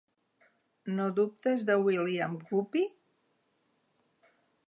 No dubtes de William Guppy?